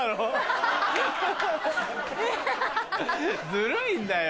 ずるいんだよ